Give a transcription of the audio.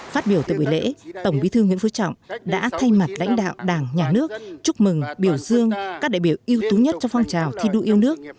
phát biểu từ buổi lễ tổng bí thư nguyễn phú trọng đã thay mặt đánh đạo đảng nhà nước chúc mừng biểu dương các đại biểu yếu tố nhất trong phong trào thi đua yêu nước